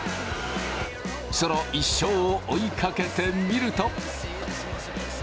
その一生を追いかけてみると。